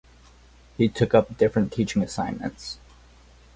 He took up different teaching assignments.